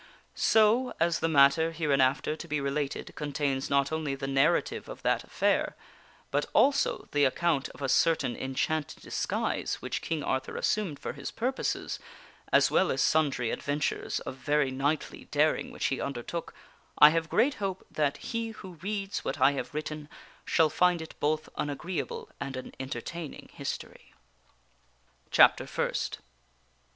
So as the matter hereinafter to be related contains not only the narrative of that affair, but also the account of a certain enchanted disguise which King Arthur assumed for his purposes, as well as sundry adventures of very knightly daring which he undertook, I have great hope that he who reads what I have written shall find it both an agreeable and an entertaining history. Gttiwwteirjr Chapter First.